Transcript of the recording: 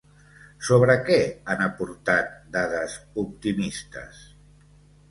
Sobre què han aportat dades optimistes?